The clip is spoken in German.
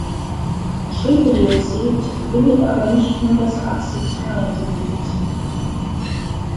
Schwefeldioxid bindet aber nicht nur das Acetaldehyd.